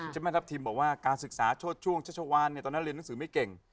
แม่ทัพทิมบอกว่าการศึกษาโชดช่วงชัชวานตอนนั้นเรียนหนังสือไม่เก่ง